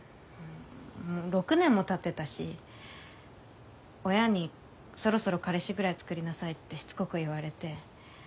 うん６年もたってたし親に「そろそろ彼氏ぐらいつくりなさい」ってしつこく言われて。